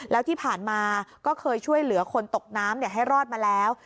แล้วที่ผ่านมาก็เคยช่วยเหลือคนตกน้ำให้รอดมาแล้ว